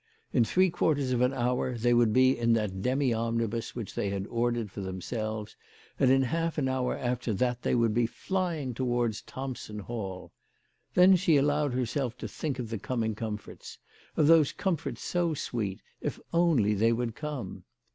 In three quarters of an hour they would be in that demi omnibus which they had ordered for themselves, and in half an hour after that they would be flying towards Thompson Hall. Then she allowed herself to think of the coming comforts, of those comforts so sweet, if only they would come